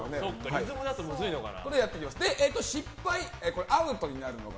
リズムだとむずいのかな。